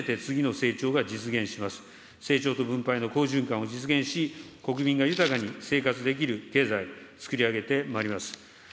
成長と分配の好循環を実現し、国民が豊かに生活できる経済をつくり上げてまいります。